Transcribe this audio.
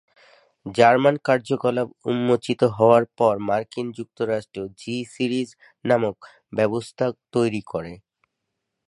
German কার্যকলাপ উন্মোচিত হওয়ার পর মার্কিন যুক্তরাষ্ট্র জি-সিরিজ নামকরণ ব্যবস্থা তৈরি করে।